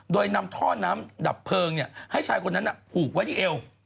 โดยนำท่อน้ำดับเพลิงให้ชายคนนั้นผูกไว้ที่เอว